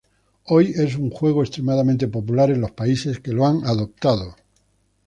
Hoy es un juego extremadamente popular en los países que lo han adoptado.